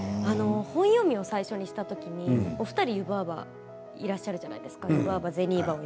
本読みも最初にしたときにお二人、湯婆婆がいらっしゃるじゃないですか。